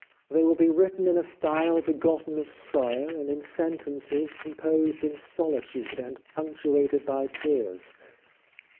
They will be written in a style begotten of sorrow, and in sentences composed in solitude, and punctuated by tears.